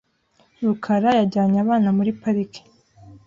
rukara yajyanye abana muri parike .